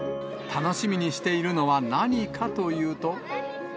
楽しみにしているのは何かというと。